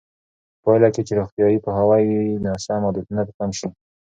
په پایله کې چې روغتیایي پوهاوی وي، ناسم عادتونه به کم شي.